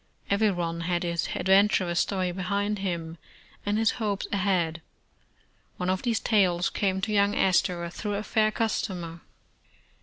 Everyone had his adventurous story behind him, and his hopes ahead. One of these tales came to young Astor through a fair customer.